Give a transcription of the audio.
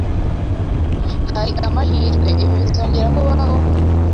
Hari amahirwe ibi bizongera kubaho?